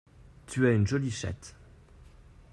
Tu as une jolie chatte!